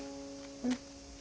うん。